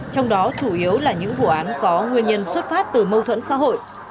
trong đó chủ yếu là những vụ án có nguyên nhân xuất phát từ mâu thuẫn xã hội